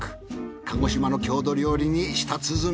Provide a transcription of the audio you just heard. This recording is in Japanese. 鹿児島の郷土料理に舌鼓。